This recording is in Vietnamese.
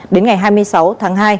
đến ngày hai mươi sáu tháng hai